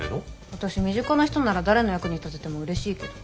私身近な人なら誰の役に立てても嬉しいけど。